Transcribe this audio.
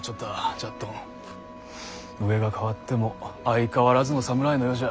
じゃっどん上が変わっても相変わらずの侍の世じゃ。